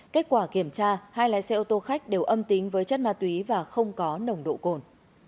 kết quả kiểm tra hai lái xe ô tô khách đều âm tính với chất ma túy và không có nồng độ cồn